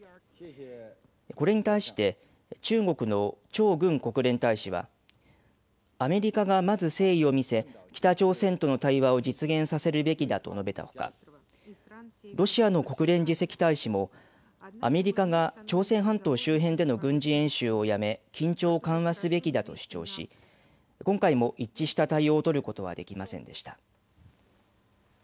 これに対して中国の張軍国連大使は、アメリカがまず誠意を見せ北朝鮮との対話を実現させるべきだと述べたほか、ロシアの国連次席大使も、アメリカが朝鮮半島周辺での軍事演習をやめ緊張を緩和すべきだと主張し、今回も一致した対応を取ることはできませんでした。